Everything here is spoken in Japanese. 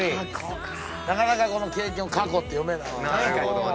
なかなかこの「経験」を「かこ」って読めないよね。